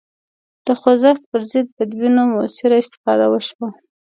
د خوځښت پر ضد بدبینیو موثره استفاده وشوه